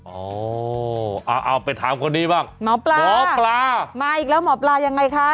เอาไปถามคนนี้บ้างหมอปลาหมอปลามาอีกแล้วหมอปลายังไงคะ